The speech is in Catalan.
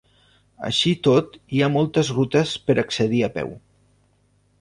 Així i tot hi ha moltes rutes per accedir a peu.